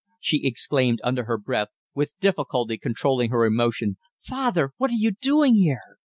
she exclaimed under her breath, with difficulty controlling her emotion, "father, what are you doing here?"